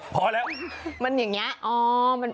มันอย่างเนี้ยอ๋อมันมน